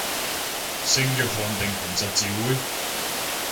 聖約翰定紅十字會